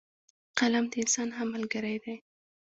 قلم د انسان ښه ملګری دی